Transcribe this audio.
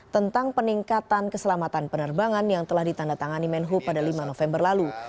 tentang peningkatan keselamatan penerbangan yang telah ditandatangani menhu pada lima november lalu